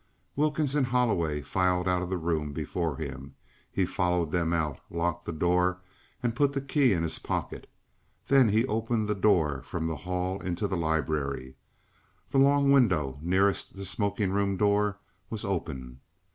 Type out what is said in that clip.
Wilkins and Holloway filed out of the room before him; he followed them out, locked the door and put the key in his pocket. Then he opened the door from the hall into the library. The long window nearest the smoking room door was open.